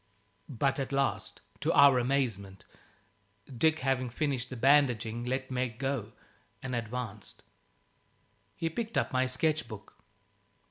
But at last, to our amazement, Dick, having finished the bandaging, let Meg go and advanced. He picked up my sketch book.